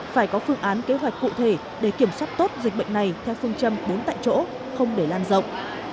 phải có phương án kế hoạch cụ thể để kiểm soát tốt dịch bệnh này theo phương châm bốn tại chỗ không để lan rộng